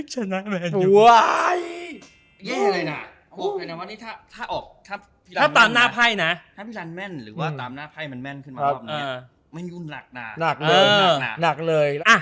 เย้อะไรนะถ้าตามหน้าไพ่มันแม่นขึ้นมารอบนี้มันยุ่นหลักหนา